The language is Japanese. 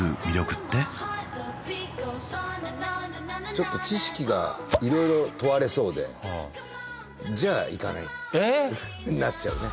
ちょっと知識が色々問われそうでじゃあ行かないってなっちゃうね